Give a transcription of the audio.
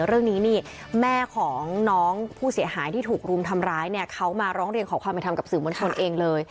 เรื่องนี้นี่แม่ของน้องผู้เสียหายที่ถูกรุมทำร้ายเนี่ยเขามาร้องเรียนขอความเป็นธรรมกับสื่อมวลชนเองเลย